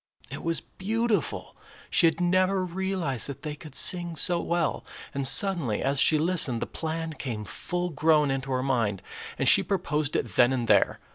It was beautiful. She had never realized that they could sing so well, and, suddenly, as she listened, the plan came full grown into her mind, and she proposed it then and there.